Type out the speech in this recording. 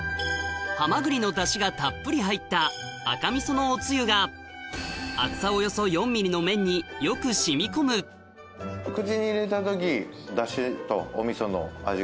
ハマグリのだしがたっぷり入った赤みそのおつゆが厚さおよそ４ｍｍの麺によく染み込む結構。